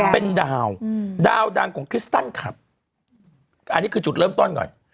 เป็นดาวดาวดังของคริสตันคลับอันนี้คือจุดเริ่มต้นก่อน